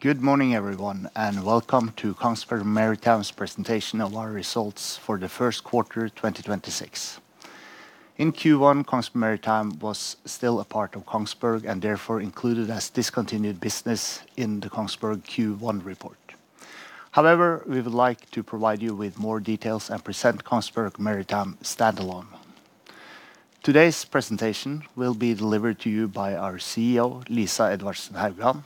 Good morning, everyone, welcome to Kongsberg Maritime's presentation of our results for the first quarter 2026. In Q1, Kongsberg Maritime was still a part of Kongsberg, therefore included as discontinued business in the Kongsberg Gruppen Q1 report. We would like to provide you with more details and present Kongsberg Maritime standalone. Today's presentation will be delivered to you by our CEO, Lisa Edvardsen Haugan,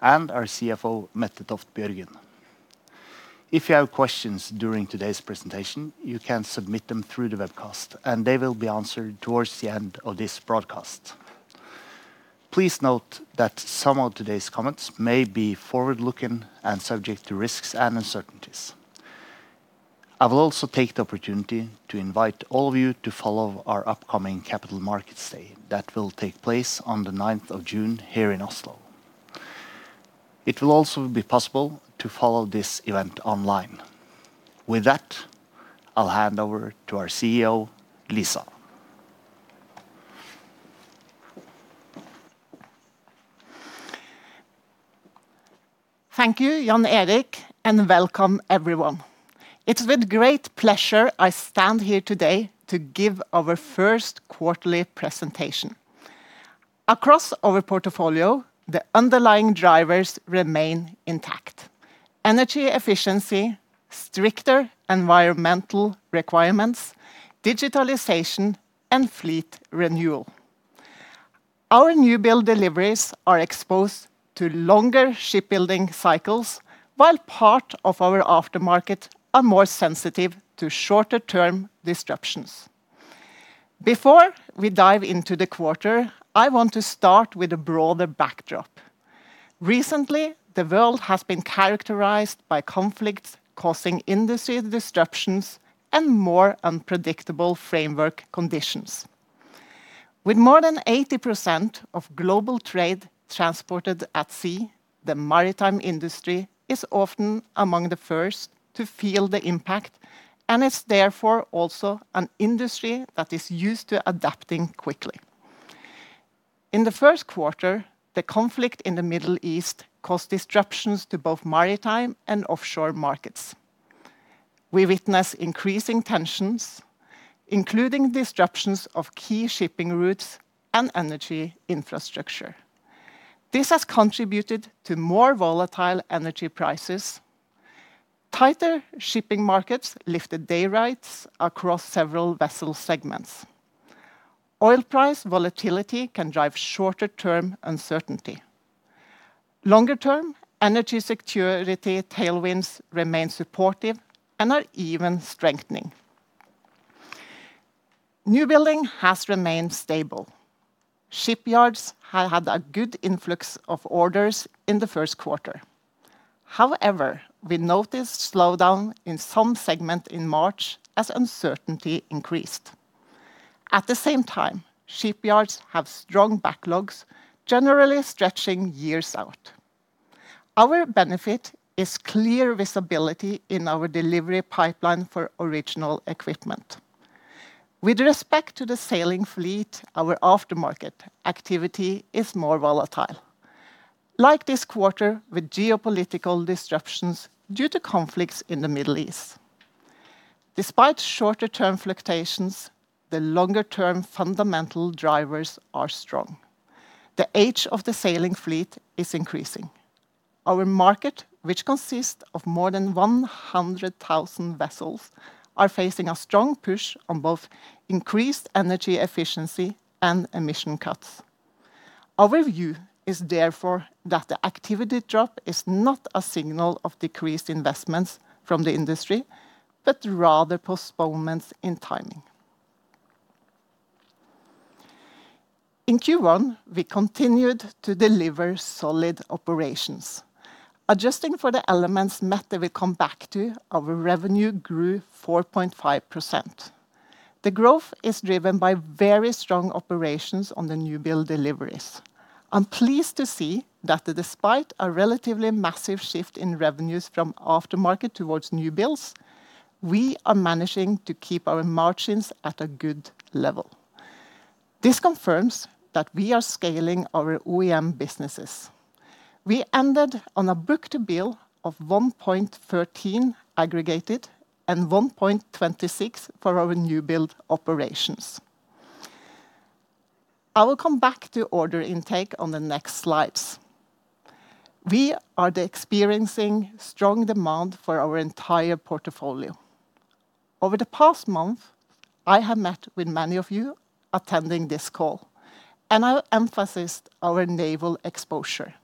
and our CFO, Mette Toft Bjørgen. If you have questions during today's presentation, you can submit them through the webcast, they will be answered towards the end of this broadcast. Please note that some of today's comments may be forward-looking and subject to risks and uncertainties. I will also take the opportunity to invite all of you to follow our upcoming Capital Markets Day that will take place on the 9th of June here in Oslo. It will also be possible to follow this event online. With that, I'll hand over to our CEO, Lisa. Thank you, Jan Erik, welcome, everyone. It's with great pleasure I stand here today to give our first quarterly presentation. Across our portfolio, the underlying drivers remain intact: energy efficiency, stricter environmental requirements, digitalization, and fleet renewal. Our new build deliveries are exposed to longer shipbuilding cycles, while part of our aftermarket are more sensitive to shorter term disruptions. Before we dive into the quarter, I want to start with a broader backdrop. Recently, the world has been characterized by conflicts causing industry disruptions and more unpredictable framework conditions. With more than 80% of global trade transported at sea, the maritime industry is often among the first to feel the impact, it's therefore also an industry that is used to adapting quickly. In the first quarter, the conflict in the Middle East caused disruptions to both maritime and offshore markets. We witnessed increasing tensions, including disruptions of key shipping routes and energy infrastructure. This has contributed to more volatile energy prices. Tighter shipping markets lifted day rates across several vessel segments. Oil price volatility can drive shorter term uncertainty. Longer term, energy security tailwinds remain supportive and are even strengthening. New building has remained stable. Shipyards have had a good influx of orders in the first quarter. However, we noticed slowdown in some segment in March as uncertainty increased. At the same time, shipyards have strong backlogs, generally stretching years out. Our benefit is clear visibility in our delivery pipeline for original equipment. With respect to the sailing fleet, our aftermarket activity is more volatile, like this quarter with geopolitical disruptions due to conflicts in the Middle East. Despite shorter term fluctuations, the longer term fundamental drivers are strong. The age of the sailing fleet is increasing. Our market, which consists of more than 100,000 vessels, are facing a strong push on both increased energy efficiency and emission cuts. Our view is therefore that the activity drop is not a signal of decreased investments from the industry, but rather postponements in timing. In Q1, we continued to deliver solid operations. Adjusting for the elements Mette will come back to, our revenue grew 4.5%. The growth is driven by very strong operations on the new build deliveries. I'm pleased to see that despite a relatively massive shift in revenues from aftermarket towards new builds, we are managing to keep our margins at a good level. This confirms that we are scaling our OEM businesses. We ended on a book-to-bill of 1.13 aggregated and 1.26 for our new build operations. I will come back to order intake on the next slides. We are experiencing strong demand for our entire portfolio. Over the past month, I have met with many of you attending this call, and I'll emphasize our naval exposure.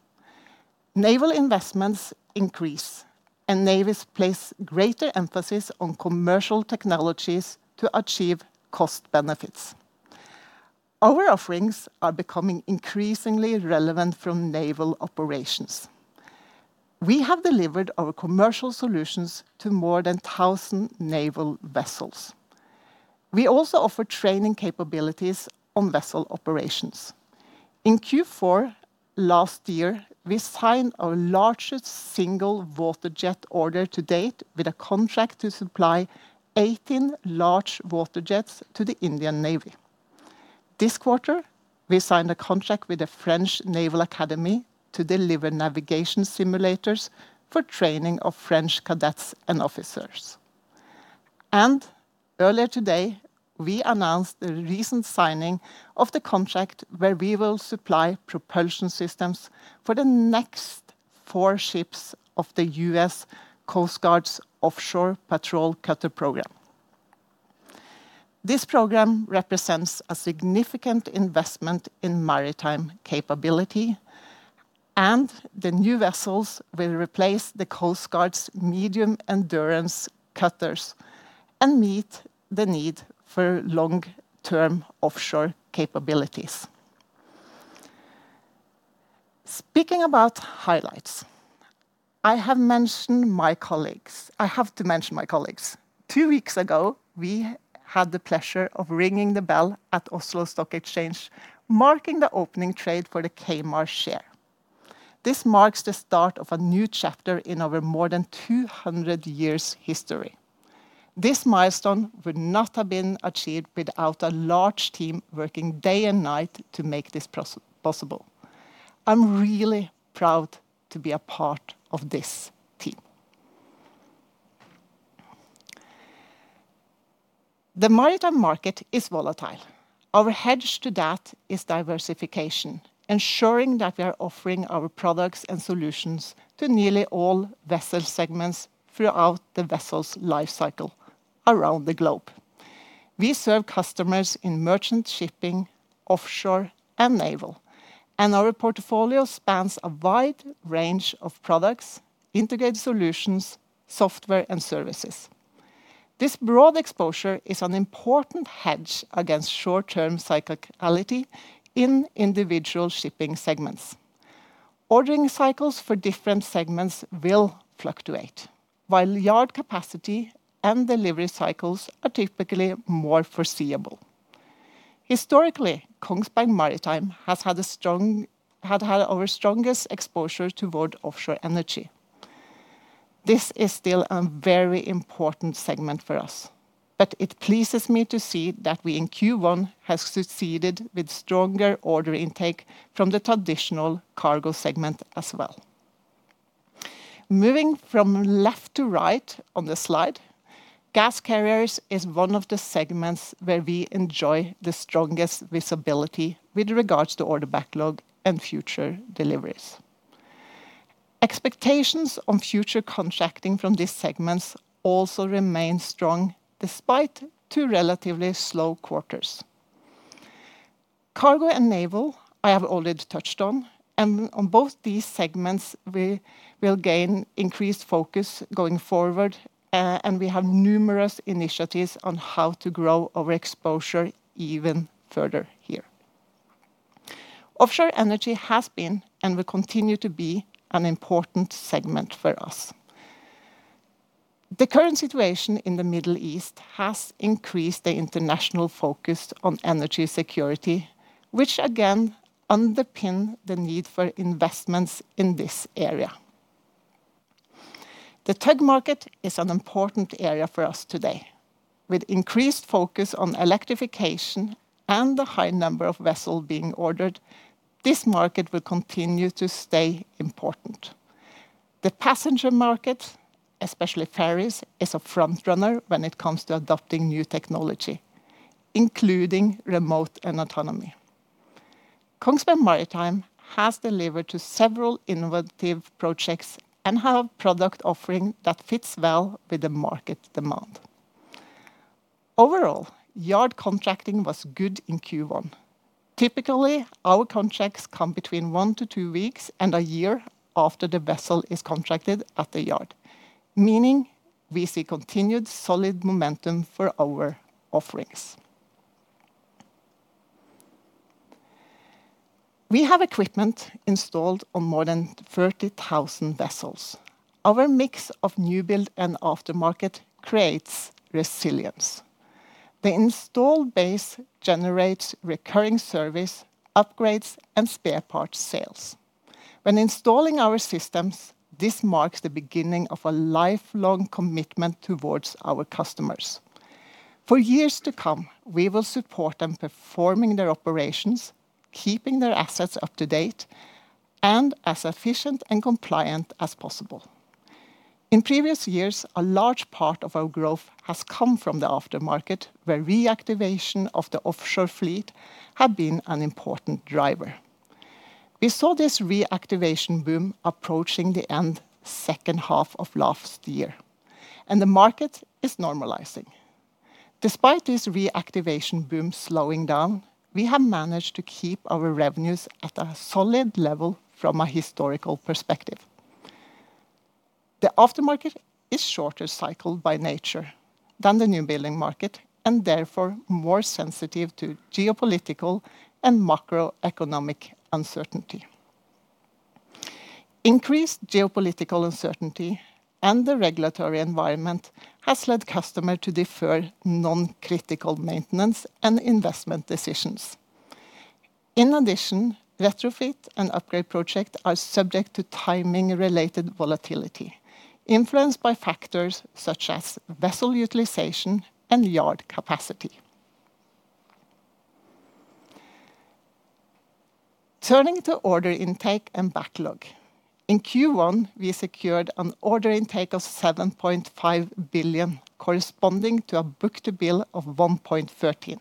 Naval investments increase, and navies place greater emphasis on commercial technologies to achieve cost benefits. Our offerings are becoming increasingly relevant for naval operations. We have delivered our commercial solutions to more than 1,000 naval vessels. We also offer training capabilities on vessel operations. In Q4 last year, we signed our largest single water jet order to date with a contract to supply 18 large water jets to the Indian Navy. This quarter, we signed a contract with a French naval academy to deliver navigation simulators for training of French cadets and officers. Earlier today, we announced the recent signing of the contract where we will supply propulsion systems for the next four ships of the U.S Coast Guard's Offshore Patrol Cutter program. This program represents a significant investment in maritime capability, and the new vessels will replace the U.S. Coast Guard's medium endurance cutters and meet the need for long-term offshore capabilities. Speaking about highlights, I have mentioned my colleagues. I have to mention my colleagues. Two weeks ago, we had the pleasure of ringing the bell at Oslo Stock Exchange, marking the opening trade for the Kongsberg Maritime share. This marks the start of a new chapter in our more than 200 years history. This milestone would not have been achieved without a large team working day and night to make this possible. I'm really proud to be a part of this team. The maritime market is volatile. Our hedge to that is diversification, ensuring that we are offering our products and solutions to nearly all vessel segments throughout the vessel's life cycle around the globe. We serve customers in merchant shipping, offshore, and naval. Our portfolio spans a wide range of products, integrated solutions, software, and services. This broad exposure is an important hedge against short-term cyclicality in individual shipping segments. Ordering cycles for different segments will fluctuate, while yard capacity and delivery cycles are typically more foreseeable. Historically, Kongsberg Maritime has had our strongest exposure toward offshore energy. This is still a very important segment for us. It pleases me to see that we, in Q1, have succeeded with stronger order intake from the traditional cargo segment as well. Moving from left to right on the slide, gas carriers is one of the segments where we enjoy the strongest visibility with regards to order backlog and future deliveries. Expectations on future contracting from these segments also remain strong despite two relatively slow quarters. Cargo and naval, I have already touched on, and on both these segments, we will gain increased focus going forward, and we have numerous initiatives on how to grow our exposure even further here. Offshore energy has been and will continue to be an important segment for us. The current situation in the Middle East has increased the international focus on energy security, which again underpin the need for investments in this area. The tug market is an important area for us today. With increased focus on electrification and the high number of vessels being ordered, this market will continue to stay important. The passenger market, especially ferries, is a frontrunner when it comes to adopting new technology, including remote and autonomy. Kongsberg Maritime has delivered to several innovative projects and have product offering that fits well with the market demand. Overall, yard contracting was good in Q1. Typically, our contracts come between one-two weeks and one year after the vessel is contracted at the yard, meaning we see continued solid momentum for our offerings. We have equipment installed on more than 30,000 vessels. Our mix of new build and aftermarket creates resilience. The installed base generates recurring service, upgrades, and spare parts sales. When installing our systems, this marks the beginning of a lifelong commitment towards our customers. For years to come, we will support them performing their operations, keeping their assets up to date, and as efficient and compliant as possible. In previous years, a large part of our growth has come from the aftermarket, where reactivation of the offshore fleet have been an important driver. We saw this reactivation boom approaching the end second half of last year, and the market is normalizing. Despite this reactivation boom slowing down, we have managed to keep our revenues at a solid level from a historical perspective. The aftermarket is shorter cycle by nature than the new building market and therefore more sensitive to geopolitical and macroeconomic uncertainty. Increased geopolitical uncertainty and the regulatory environment has led customer to defer non-critical maintenance and investment decisions. In addition, retrofit and upgrade project are subject to timing related volatility influenced by factors such as vessel utilization and yard capacity. Turning to order intake and backlog. In Q1, we secured an order intake of 7.5 billion corresponding to a book-to-bill of 1.13.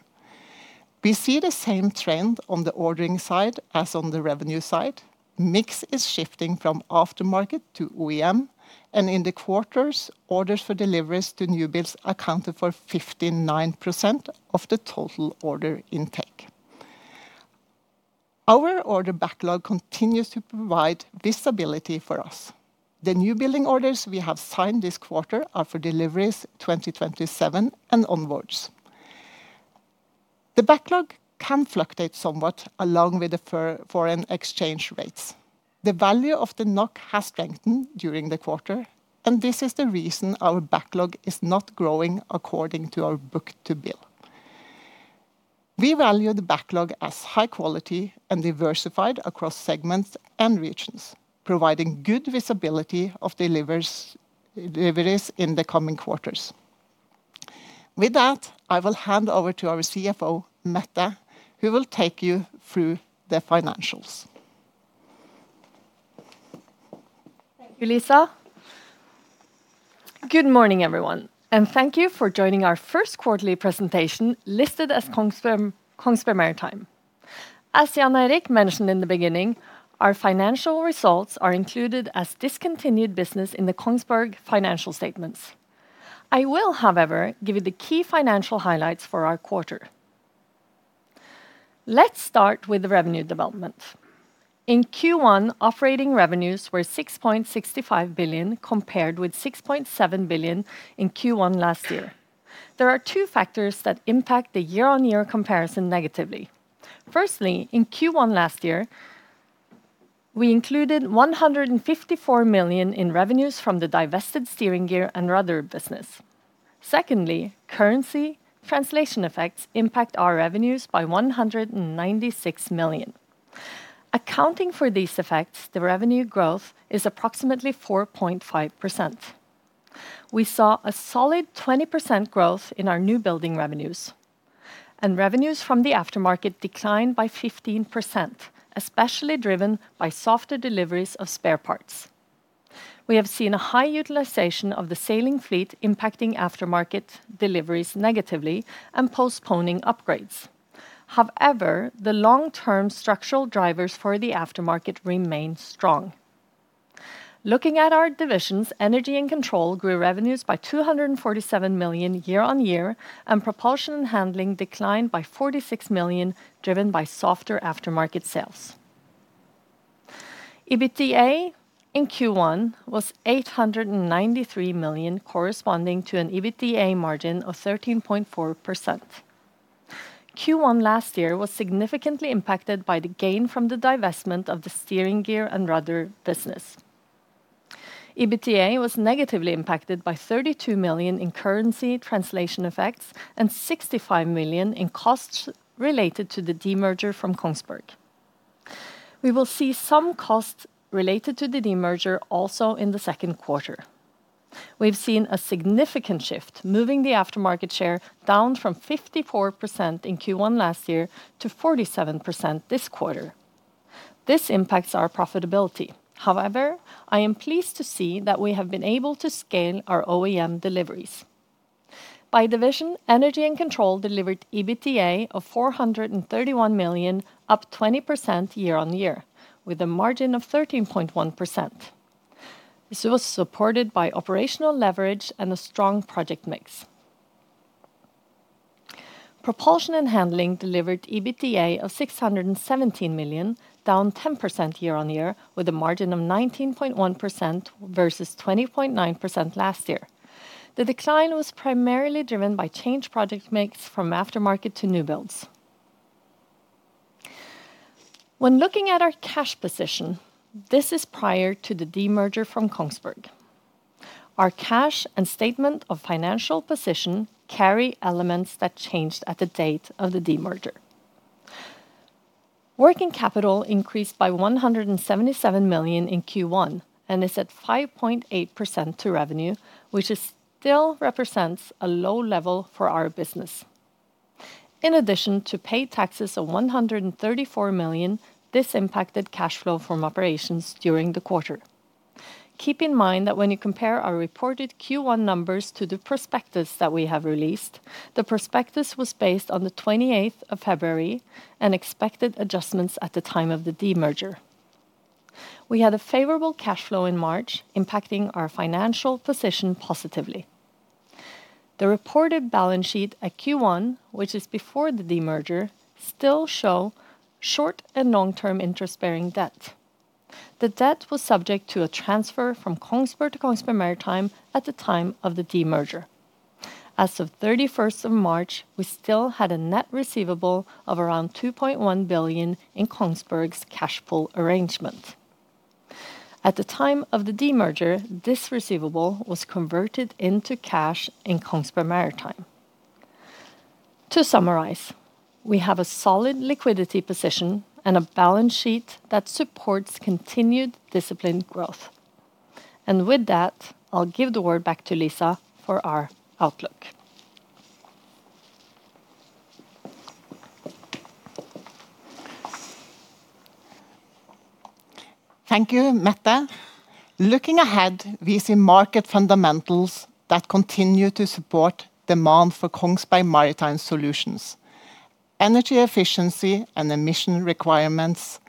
We see the same trend on the ordering side as on the revenue side. Mix is shifting from aftermarket to OEM, and in the quarters, orders for deliveries to new builds accounted for 59% of the total order intake. Our order backlog continues to provide visibility for us. The new building orders we have signed this quarter are for deliveries 2027 and onwards. The backlog can fluctuate somewhat along with the foreign exchange rates. The value of the NOK has strengthened during the quarter, and this is the reason our backlog is not growing according to our book-to-bill. We value the backlog as high quality and diversified across segments and regions, providing good visibility of deliveries in the coming quarters. With that, I will hand over to our CFO, Mette, who will take you through the financials. Thank you, Lisa. Good morning, everyone, and thank you for joining our first quarterly presentation listed as Kongsberg Maritime. As Jan Erik mentioned in the beginning, our financial results are included as discontinued business in the Kongsberg financial statements. I will, however, give you the key financial highlights for our quarter. Let's start with the revenue development. In Q1, operating revenues were 6.65 billion compared with 6.7 billion in Q1 last year. There are two factors that impact the year-on-year comparison negatively. Firstly, in Q1 last year, we included 154 million in revenues from the divested steering gear and rudder business. Secondly, currency translation effects impact our revenues by 196 million. Accounting for these effects, the revenue growth is approximately 4.5%. We saw a solid 20% growth in our new building revenues. Revenues from the aftermarket declined by 15%, especially driven by softer deliveries of spare parts. We have seen a high utilization of the sailing fleet impacting aftermarket deliveries negatively and postponing upgrades. However, the long-term structural drivers for the aftermarket remain strong. Looking at our divisions, Energy & Control grew revenues by 247 million year-on-year, and Propulsion & Handling declined by 46 million, driven by softer aftermarket sales. EBITDA in Q1 was 893 million, corresponding to an EBITDA margin of 13.4%. Q1 last year was significantly impacted by the gain from the divestment of the steering gear and rudder business. EBITDA was negatively impacted by 32 million in currency translation effects and 65 million in costs related to the demerger from Kongsberg. We will see some costs related to the demerger also in the second quarter. We've seen a significant shift, moving the aftermarket share down from 54% in Q1 last year to 47% this quarter. This impacts our profitability. However, I am pleased to see that we have been able to scale our OEM deliveries. By division, Energy & Control delivered EBITDA of 431 million, up 20% year-over-year with a margin of 13.1%. This was supported by operational leverage and a strong project mix. Propulsion & Handling delivered EBITDA of 617 million, down 10% year-over-year with a margin of 19.1% versus 20.9% last year. The decline was primarily driven by change project mix from aftermarket to new builds. When looking at our cash position, this is prior to the demerger from Kongsberg. Our cash and statement of financial position carry elements that changed at the date of the demerger. Working capital increased by 177 million in Q1 and is at 5.8% to revenue, which is still represents a low level for our business. In addition to paid taxes of 134 million, this impacted cash flow from operations during the quarter. Keep in mind that when you compare our reported Q1 numbers to the prospectus that we have released, the prospectus was based on the 28th of February and expected adjustments at the time of the demerger. We had a favorable cash flow in March impacting our financial position positively. The reported balance sheet at Q1, which is before the demerger, still show short and long-term interest-bearing debt. The debt was subject to a transfer from Kongsberg to Kongsberg Maritime at the time of the demerger. As of 31st of March, we still had a net receivable of around 2.1 billion in Kongsberg's cash pool arrangement. At the time of the demerger, this receivable was converted into cash in Kongsberg Maritime. To summarize, we have a solid liquidity position and a balance sheet that supports continued disciplined growth. With that, I'll give the word back to Lisa for our outlook. Thank you, Mette. Looking ahead, we see market fundamentals that continue to support demand for Kongsberg Maritime solutions, energy efficiency and emission requirements,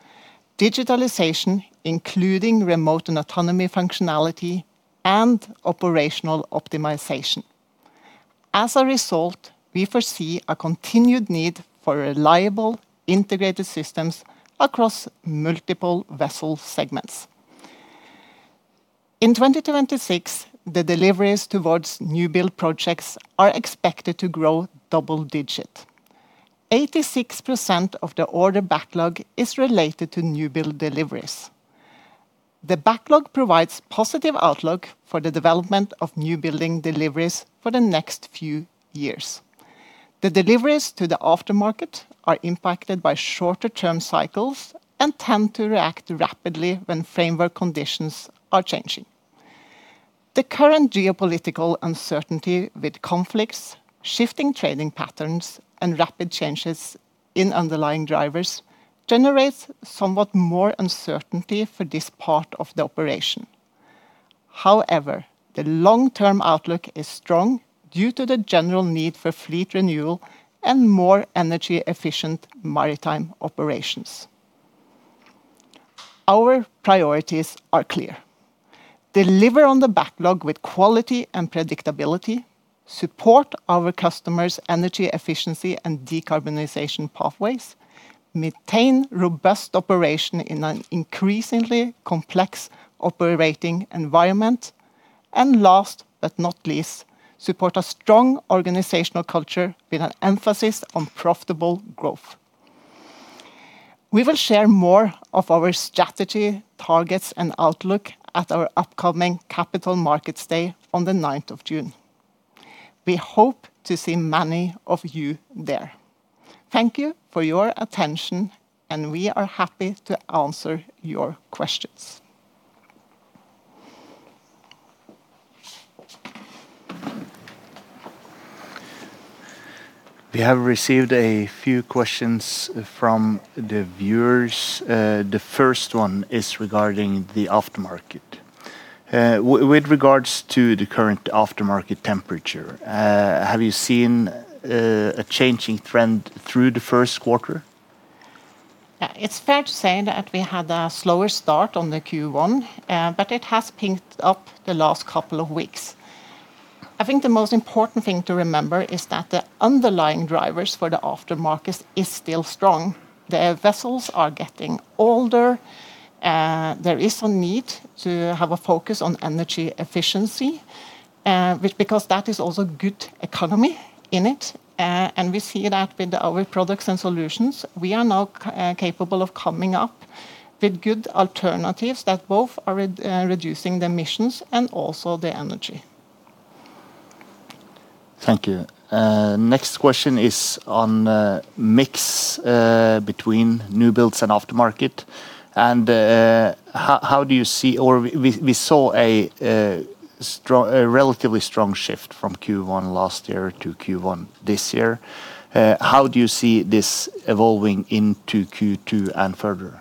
digitalization, including remote and autonomy functionality, and operational optimization. As a result, we foresee a continued need for reliable, integrated systems across multiple vessel segments. In 2026, the deliveries towards new build projects are expected to grow double-digit. 86% of the order backlog is related to new build deliveries. The backlog provides positive outlook for the development of new building deliveries for the next few years. The deliveries to the aftermarket are impacted by shorter-term cycles and tend to react rapidly when framework conditions are changing. The current geopolitical uncertainty with conflicts, shifting trading patterns, and rapid changes in underlying drivers generates somewhat more uncertainty for this part of the operation. However, the long-term outlook is strong due to the general need for fleet renewal and more energy-efficient maritime operations. Our priorities are clear: deliver on the backlog with quality and predictability, support our customers' energy efficiency and decarbonization pathways, maintain robust operation in an increasingly complex operating environment, and last but not least, support a strong organizational culture with an emphasis on profitable growth. We will share more of our strategy, targets, and outlook at our upcoming Capital Markets Day on the 9th of June. We hope to see many of you there. Thank you for your attention, and we are happy to answer your questions. We have received a few questions from the viewers. The first one is regarding the aftermarket. With regards to the current aftermarket temperature, have you seen a changing trend through the first quarter? Yeah. It's fair to say that we had a slower start on the Q1, but it has picked up the last couple of weeks. I think the most important thing to remember is that the underlying drivers for the aftermarket is still strong. The vessels are getting older. There is a need to have a focus on energy efficiency, which because that is also good economy in it. We see that with our products and solutions. We are now capable of coming up with good alternatives that both are reducing the emissions and also the energy. Thank you. Next question is on mix between new builds and aftermarket. We saw a relatively strong shift from Q1 last year to Q1 this year. How do you see this evolving into Q2 and further?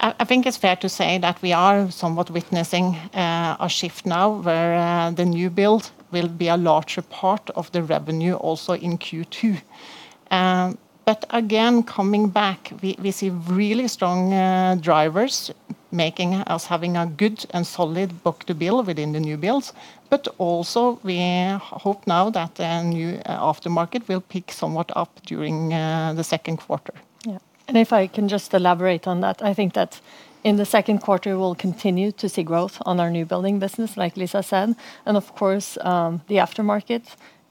I think it's fair to say that we are somewhat witnessing a shift now where the new build will be a larger part of the revenue also in Q2. Again, coming back, we see really strong drivers making us having a good and solid book-to-bill within the new builds, but also we hope now that the new aftermarket will pick somewhat up during the second quarter. Yeah. If I can just elaborate on that, I think that in the second quarter we'll continue to see growth on our new building business, like Lisa said, and of course, the aftermarket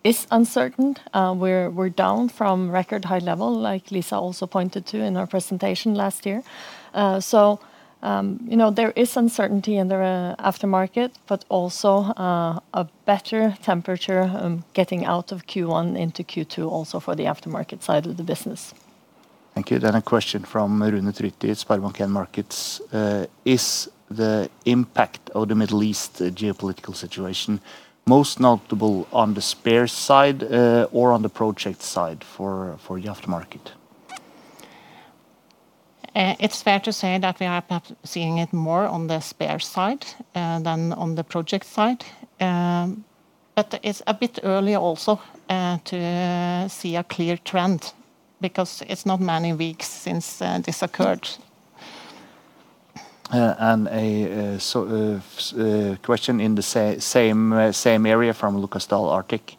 is uncertain. We're down from record high level, like Lisa also pointed to in her presentation last year. You know, there is uncertainty in the aftermarket, but also a better temperature getting out of Q1 into Q2 also for the aftermarket side of the business. Thank you. A question from Rune Tryti, SpareBank 1 Markets. Is the impact of the Middle East geopolitical situation most notable on the spare side, or on the project side for the aftermarket? It's fair to say that we are perhaps seeing it more on the spare side, than on the project side. It's a bit early also, to see a clear trend because it's not many weeks since, this occurred. Question in the same area from Lukas Daul, Arctic: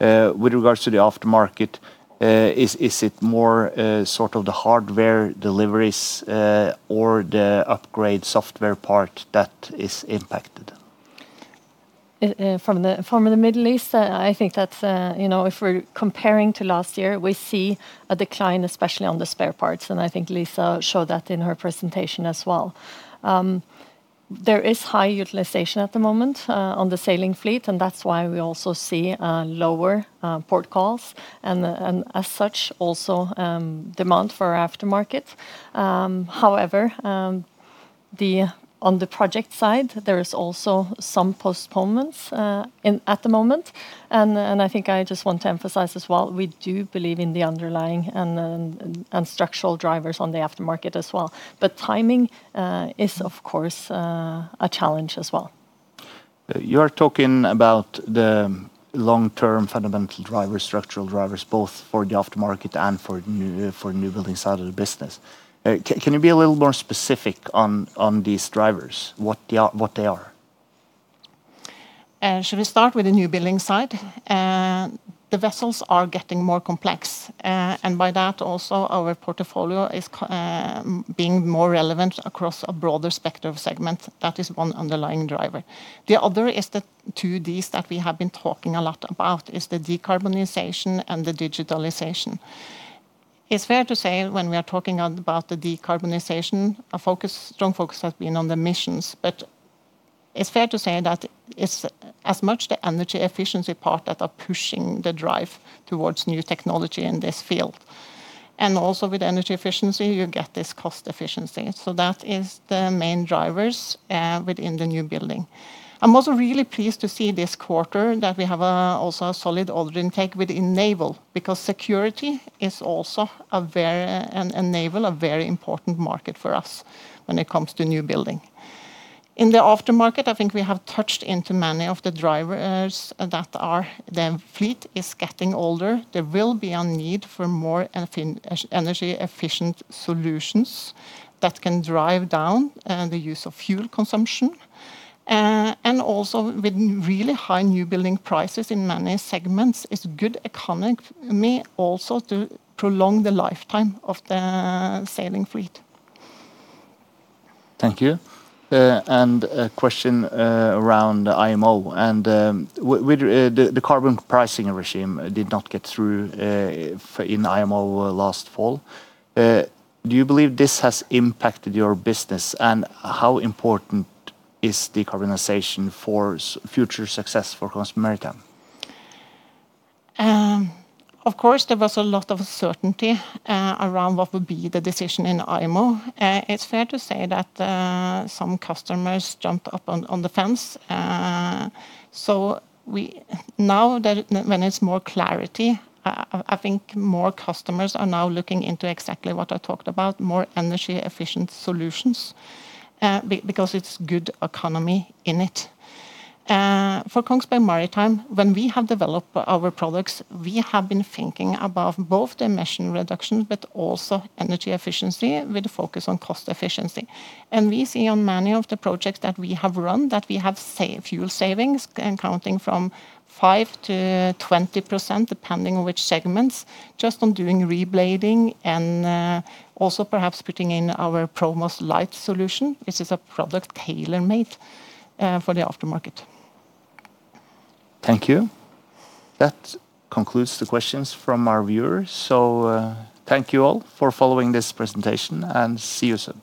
With regards to the aftermarket, is it more sort of the hardware deliveries, or the upgrade software part that is impacted? From the Middle East, I think that's, you know, if we're comparing to last year, we see a decline, especially on the spare parts, and I think Lisa showed that in her presentation as well. There is high utilization at the moment on the sailing fleet, and that's why we also see lower port calls and, as such also, demand for our aftermarket. However, on the project side, there is also some postponements at the moment. I think I just want to emphasize as well, we do believe in the underlying and structural drivers on the aftermarket as well. Timing is of course a challenge as well. You are talking about the long-term fundamental drivers, structural drivers, both for the aftermarket and for new building side of the business. Can you be a little more specific on these drivers, what they are? Should we start with the new building side? The vessels are getting more complex. By that also our portfolio is being more relevant across a broader spectrum of segment. That is one underlying driver. The other is the two Ds that we have been talking a lot about, is the decarbonization and the digitalization. It's fair to say when we are talking about the decarbonization, our focus, strong focus has been on the missions, but it's fair to say that it's as much the energy efficiency part that are pushing the drive towards new technology in this field. Also with energy efficiency, you get this cost efficiency. That is the main drivers within the new building. I'm also really pleased to see this quarter that we have a solid order intake within naval, because security is also a very important market for us when it comes to new building. In the aftermarket, I think we have touched into many of the drivers that are, the fleet is getting older. There will be a need for more energy-efficient solutions that can drive down the use of fuel consumption. Also with really high new building prices in many segments, it's good economy also to prolong the lifetime of the sailing fleet. Thank you. A question around IMO and the carbon pricing regime did not get through in IMO last fall. Do you believe this has impacted your business, and how important is decarbonization for future success for Kongsberg Maritime? Of course, there was a lot of uncertainty around what would be the decision in IMO. It's fair to say that some customers jumped up on the fence. Now that when there's more clarity, I think more customers are now looking into exactly what I talked about, more energy-efficient solutions, because it's good economy in it. For Kongsberg Maritime, when we have developed our products, we have been thinking about both the emission reduction, but also energy efficiency with a focus on cost efficiency. We see on many of the projects that we have run, that we have fuel savings and counting from 5%-20%, depending on which segments, just on doing reblading and also perhaps putting in our Promas Lite solution. This is a product tailor-made for the aftermarket. Thank you. That concludes the questions from our viewers. Thank you all for following this presentation and see you soon.